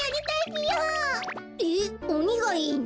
えっおにがいいの？